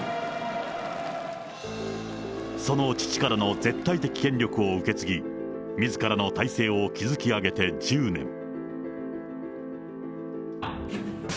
その父からの絶対的権力を受け継ぎ、みずからの体制を築き上げて１０年。